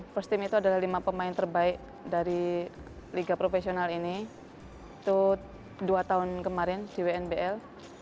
first team itu adalah lima pemain terbaik dari liga profesional ini itu dua tahun kemarin di wnbl